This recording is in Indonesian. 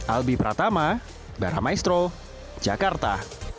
albi pratama barah maestro jakarta